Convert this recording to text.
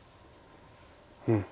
うん。